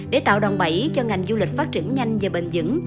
để tạo đòn bẫy cho ngành du lịch phát triển nhanh và bền dững